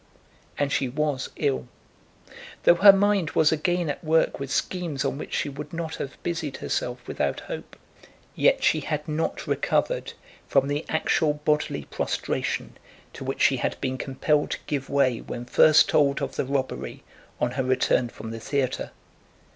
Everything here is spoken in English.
And she was ill. Though her mind was again at work with schemes on which she would not have busied herself without hope, yet she had not recovered from the actual bodily prostration to which she had been compelled to give way when first told of the robbery on her return from the theatre.